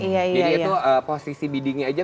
jadi itu posisi bidingnya aja